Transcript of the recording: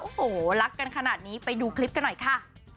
โอ้โหรักกันขนาดนี้ไปดูคลิปกันหน่อยค่ะ